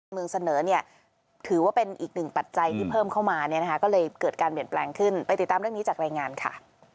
เมืองเสนอเนี่ยถือว่าเป็นอีกหนึ่งปัจจัยที่เพิ่มเข้ามาเนี่ยนะคะก็เลยเกิดการเปลี่ยนแปลงขึ้นไปติดตามเรื่องนี้จากรายงานค่ะ